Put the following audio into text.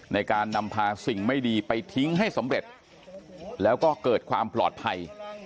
ในการนำพาสิ่งไม่ดีไปทิ้งให้สำเร็จแล้วก็เกิดความปลอดภัย